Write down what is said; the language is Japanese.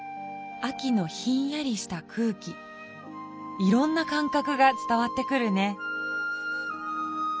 秋のひんやりした空気いろんなかんかくがつたわってくるね。